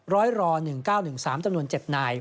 ร้อยร๑๙๑๓จ๗น